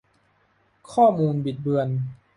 ข้อมูลบิดเบือน